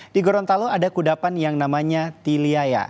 di gorontalo ada kudapan yang namanya tiliaya